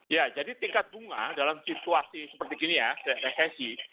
ya jadi tingkat bunga dalam situasi seperti gini ya resesi